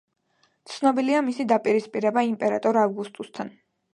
ცნობილია მისი დაპირისპირება იმპერატორ ავგუსტუსთან.